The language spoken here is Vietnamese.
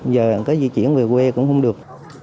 giờ có di chuyển về quê cũng không được